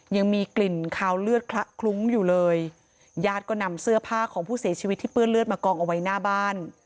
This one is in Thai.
ยังมีกลิ่นคาวเลือดคละคลุ้งอยู่เลยญาติก็นำเสื้อผ้าของผู้เสียชีวิตที่เปื้อนเลือดมากองเอาไว้หน้าบ้าน